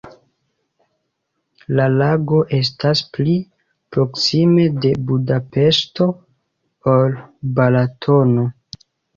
La lago estas pli proksime de Budapeŝto, ol Balatono.